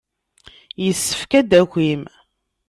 Yessefk ad d-takim.